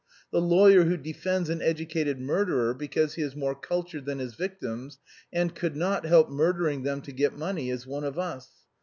The lawyer who defends an educated murderer because he is more cultured than his victims and could not help murdering them to get money is one of us.